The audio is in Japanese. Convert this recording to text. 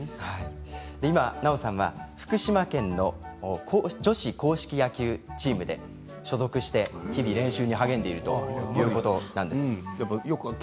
奈緒さんは今、福島県の女子硬式野球チームに所属して練習に励んでいるということです。